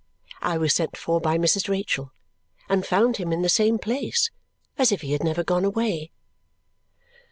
I was sent for by Mrs. Rachael, and found him in the same place, as if he had never gone away.